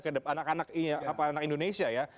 terhadap anak anak indonesia ya